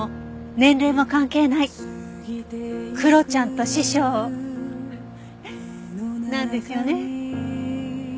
クロちゃんと師匠なんですよね？